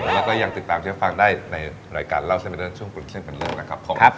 แล้วก็ยังติดตามเชฟฟังได้ในรายการเล่าเส้นเป็นเรื่องช่วงกรุดเส้นเป็นเรื่องนะครับผม